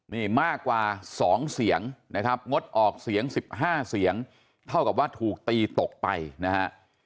นี่มากกว่า๒เสียงนะครับงดออกเสียง๑๕เสียงเท่ากับว่าถูกตีตกไปนะฮะ